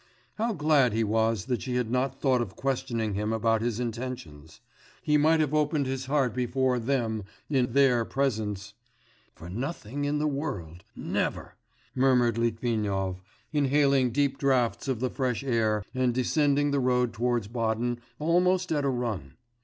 How glad he was that she had not thought of questioning him about his intentions! He might have opened his heart before 'them' in 'their' presence.... 'For nothing in the world! never!' murmured Litvinov, inhaling deep draughts of the fresh air and descending the road towards Baden almost at a run.